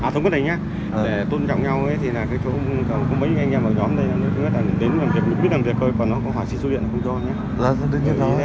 thông tin này nhé để tôn trọng nhau thì có mấy anh em ở nhóm này đến làm việc biết làm việc thôi còn nó có hỏi xin số điện là không cho nhé